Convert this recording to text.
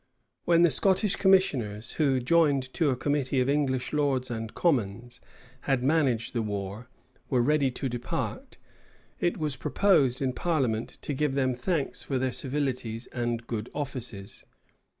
When the Scottish commissioners, who, joined to a committee of English lords and commons, had managed the war, were ready to depart, it was proposed in parliament to give them thanks for their civilities and good offices.